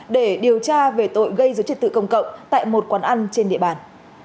để điều tra về tội gây dối trật tự công cộng tại một quán ăn trên địa bàn